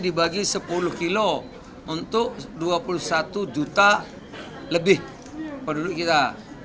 dibagi sepuluh kilo untuk dua puluh satu juta lebih penduduk kita